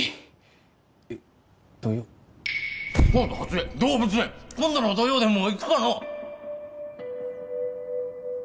そうだ初江動物園今度の土曜でも行くかの